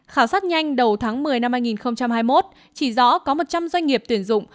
khảo sát nhanh đầu tháng một mươi năm hai nghìn hai mươi một chỉ rõ có một trăm linh doanh nghiệp tuyển dụng